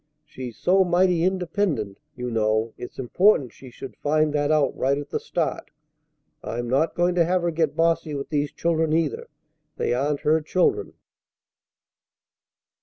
She's so mighty independent, you know, it's important she should find that out right at the start. I'm not going to have her get bossy with these children, either. They aren't her children."